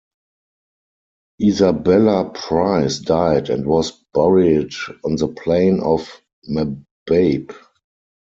Isabella Price died and was buried on the plain of Mababe.